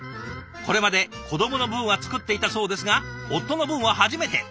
これまで子どもの分は作っていたそうですが夫の分は初めて。